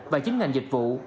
và chín ngành dịch vụ